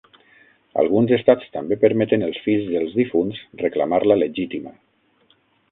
Alguns estats també permeten els fills dels difunts reclamar la legítima.